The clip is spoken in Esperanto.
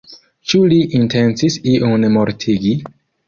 Ĉu li intencis iun mortigi?